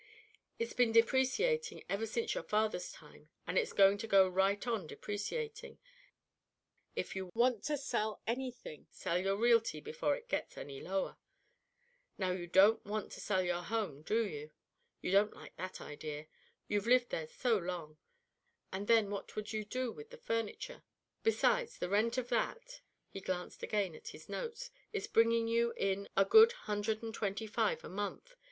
It's been depreciating ever since your father's time, and it's going to go right on depreciating. If you want to sell anything, sell your realty before it gets any lower. Now you don't want to sell your home, do you? You don't like that idea. You've lived there so long, and then what would you do with the furniture; besides, the rent of that," he glanced again at his notes, "is bringing you in a good hundred and twenty five a month.